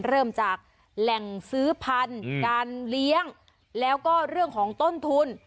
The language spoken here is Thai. เริ่มจากแหล่งซื้อพันธุ์การเลี้ยงแล้วก็เรื่องของต้นทุน